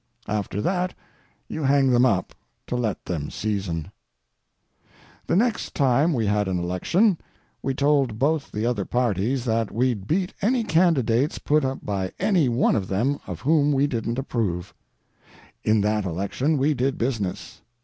After that you hang them up to let them season. The next time we had an election we told both the other parties that we'd beat any candidates put up by any one of them of whom we didn't approve. In that election we did business.